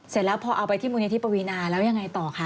เสร็จแล้วพอเอาไปที่มูลนิธิปวีนาแล้วยังไงต่อคะ